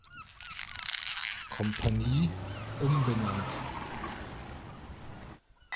Kompanie umbenannt.